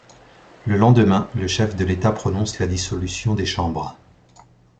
Le lendemain, le chef de l'État prononce la dissolution des chambres.